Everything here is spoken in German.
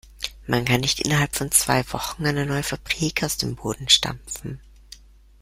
Man kann nicht innerhalb von zwei Wochen eine neue Fabrik aus dem Boden stampfen.